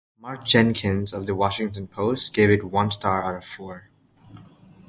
Mark Jenkins of "The Washington Post" gave it one star out of four.